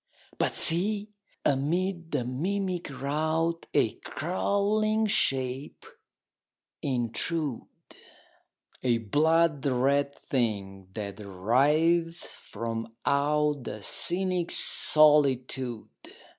But see amid the mimic rout 25 A crawling shape, intrude: A blood red thing that writhes from out The scenic solitude!